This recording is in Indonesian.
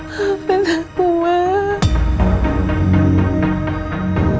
maafin aku demasiado